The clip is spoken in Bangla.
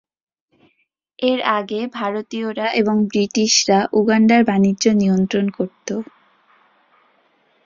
এর আগে ভারতীয়রা এবং ব্রিটিশরা উগান্ডার বাণিজ্য নিয়ন্ত্রণ করতো।